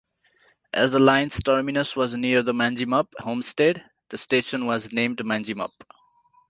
As the line's terminus was near the Manjimup homestead, the station was named Manjimup.